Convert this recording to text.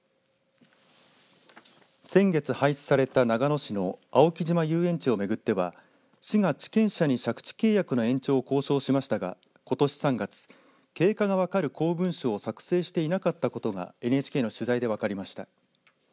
先月廃止された長野市の青木島遊園地を巡っては市が地権者に借地契約の延長を交渉しましたがことし３月経過が分かる公文書を作成していなかったことがＮＨＫの取材で分かりました。